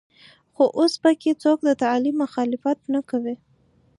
خو اوس په کې څوک د تعلیم مخالفت نه کوي.